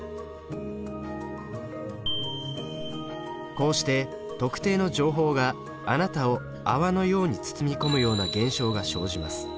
こうして特定の情報があなたを泡のように包み込むような現象が生じます。